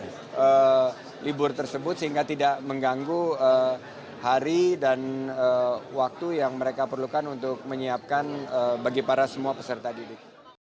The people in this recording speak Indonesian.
untuk libur tersebut sehingga tidak mengganggu hari dan waktu yang mereka perlukan untuk menyiapkan bagi para semua peserta didik